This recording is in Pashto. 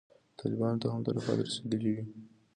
طالبانو ته هم تلفات رسېدلي وي.